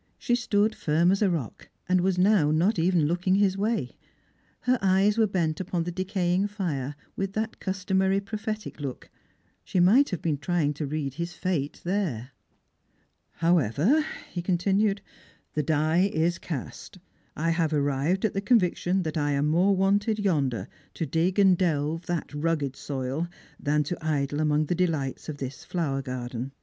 She stood Hrm as a rock, and was now not even looking his way. Her eyes were bent upon the decaying fire, with that customary prophetic look. She might have been trying to read his fate there. " However," he continued, "the die is cast. I have arrived at the conviction that I am more wanted yonder, to dig and dtlve that rugged soil, than to idle among the delights of this flower garden.